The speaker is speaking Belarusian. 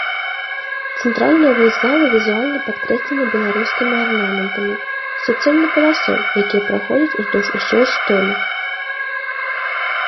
Цэнтральная вось залы візуальна падкрэслена беларускімі арнаментамі, суцэльнай паласой якія праходзяць уздоўж усей столі.